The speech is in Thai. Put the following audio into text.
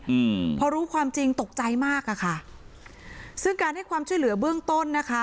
อืมพอรู้ความจริงตกใจมากอ่ะค่ะซึ่งการให้ความช่วยเหลือเบื้องต้นนะคะ